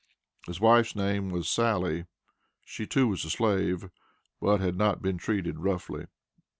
His wife's name was "Sally." She too was a slave, but "had not been treated roughly."